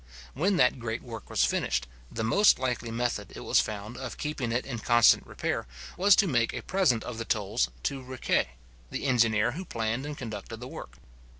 When that great work was finished, the most likely method, it was found, of keeping it in constant repair, was to make a present of the tolls to Riquet, the engineer who planned and conducted the work.